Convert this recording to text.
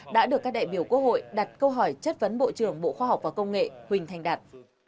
đã được các đại biểu quốc hội đặt câu hỏi chất vấn bộ trưởng bộ khoa học và công nghệ huỳnh thành đạt